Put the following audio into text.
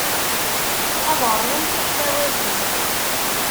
Ad ṛwun tiḥlawatin.